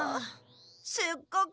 せっかく。